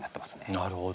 なるほど。